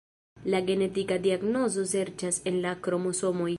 La genetika diagnozo serĉas en la kromosomoj.